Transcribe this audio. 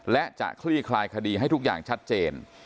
และจะคลี่คลายคดีให้ทุกอย่างชัดเจน